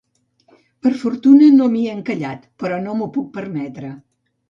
Per fortuna no m'hi he encallat, però no m'ho puc permetre.